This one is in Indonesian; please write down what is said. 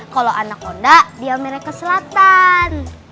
kalau anak konda di amerika selatan